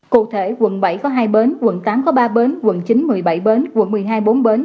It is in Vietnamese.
cụ thể quận bảy có hai bến quận tám có ba bến quận chín một mươi bảy bến quận một mươi hai bốn bến